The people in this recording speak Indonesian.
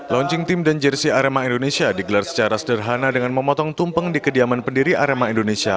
launching tim dan jersi arema indonesia digelar secara sederhana dengan memotong tumpeng di kediaman pendiri arema indonesia